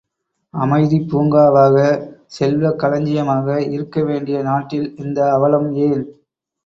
அமைதிப் பூங்காவாக, செல்வக் களஞ்சியமாக இருக்க வேண்டிய நாட்டில் இந்த அவலம் ஏன்?